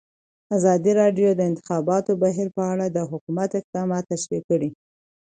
ازادي راډیو د د انتخاباتو بهیر په اړه د حکومت اقدامات تشریح کړي.